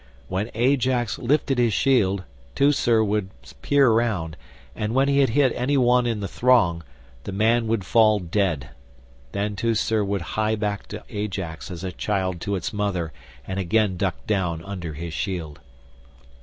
When Ajax lifted his shield Teucer would peer round, and when he had hit any one in the throng, the man would fall dead; then Teucer would hie back to Ajax as a child to its mother, and again duck down under his shield.